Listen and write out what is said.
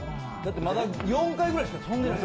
まだ４回くらいしか跳んでない。